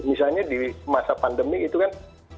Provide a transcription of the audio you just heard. misalnya di masa pandemi itu kan